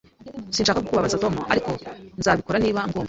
Sinshaka kubabaza Tom, ariko nzabikora niba ngomba